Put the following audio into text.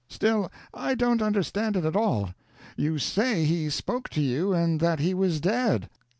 Still, I don't understand it at all. You say he spoke to you, and that he was dead.